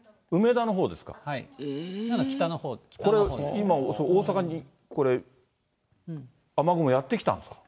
これ今、大阪にこれ、雨雲やって来たんですか。